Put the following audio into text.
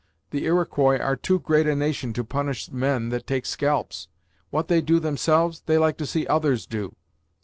The Iroquois are too great a nation to punish men that take scalps. What they do themselves, they like to see others do.